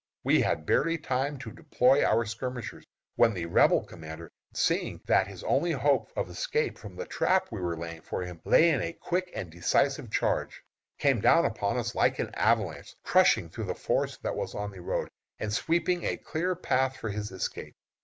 We had barely time to deploy as skirmishers, when the Rebel commander, seeing that his only hope of escape from the trap we were laying for him lay in a quick and decisive charge, came down upon us like an avalanche, crushing through the force that was on the road, and sweeping a clean path for his escape.